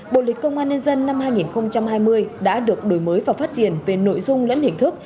bộ lịch công an nhân dân năm hai nghìn hai mươi đã được đổi mới và phát triển về nội dung lẫn hình thức